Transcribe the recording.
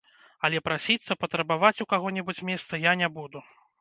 Але прасіцца, патрабаваць у каго-небудзь месца я не буду.